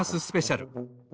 スペシャル。